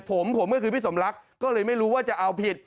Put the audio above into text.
ผมผมก็คือพี่สมรักก็เลยไม่รู้ว่าจะเอาผิด